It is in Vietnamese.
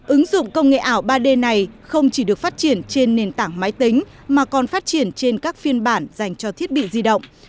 ứng dụng công nghệ ảo ba d này không chỉ được phát triển trên nền tảng máy tính mà còn phát triển trên các phiên bản dành cho thiết bị di động